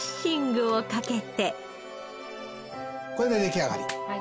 これで出来上がり。